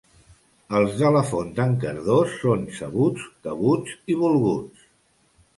Els de la Font d'en Cardós són sabuts, cabuts i volguts.